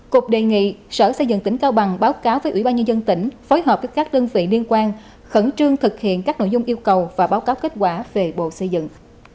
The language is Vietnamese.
cục đề nghị sở xây dựng tỉnh cao bằng báo cáo với ủy ban nhân dân tỉnh phối hợp với các đơn vị liên quan khẩn trương thực hiện các nội dung yêu cầu và báo cáo kết quả về bộ xây dựng